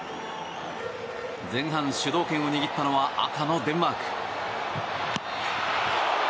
前半、主導権を握ったのは赤のデンマーク。